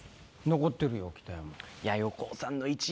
残ってるよ北山。